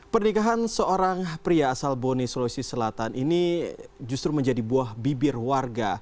pernikahan seorang pria asal boni sulawesi selatan ini justru menjadi buah bibir warga